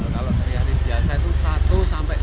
kalau dari hari biasa itu satu sampai tiga